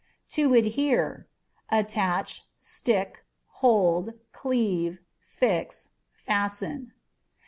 To Adhere â€" attach, stick, hold, cleave, fix, fasten.